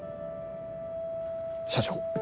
社長。